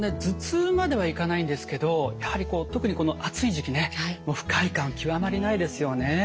頭痛まではいかないんですけどやはり特に暑い時期ね不快感極まりないですよね。